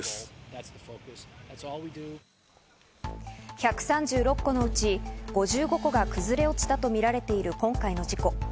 １３６戸のうち５５戸が崩れ落ちたとみられている今回の事故。